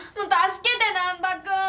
助けて難破君！